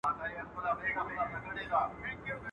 خندونکي فلمونه ډېر مشهور دي